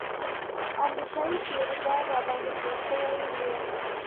امريکايي پيره دار راباندې پوه سوى و.